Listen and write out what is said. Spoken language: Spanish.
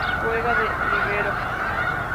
Juega de líbero.